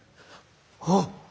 あっ！